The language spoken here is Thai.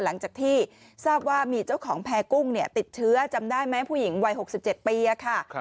หลังจากที่ทราบว่ามีเจ้าของแพร่กุ้งติดเชื้อจำได้ไหมผู้หญิงวัย๖๗ปีค่ะ